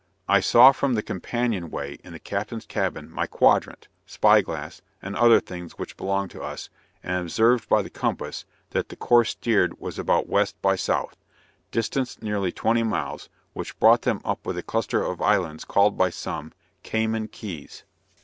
I saw from the companion way in the captain's cabin my quadrant, spy glass and other things which belonged to us, and observed by the compass, that the course steered was about west by south, distance nearly twenty miles, which brought them up with a cluster of islands called by some "Cayman Keys."